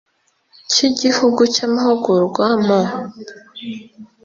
cy igihugu cy amahugurwa mu